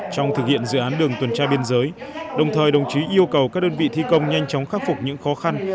trong thực hiện dự án đường tuần tra biên giới đồng thời đồng chí yêu cầu các đơn vị thi công nhanh chóng khắc phục những khó khăn